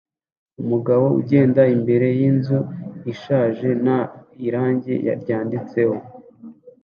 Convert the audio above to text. Umugabo agenda imbere yinzu ishaje nta irangi ryanditseho